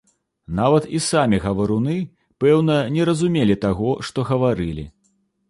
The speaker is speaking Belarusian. Нават і самі гаваруны, пэўна, не разумелі таго, што гаварылі.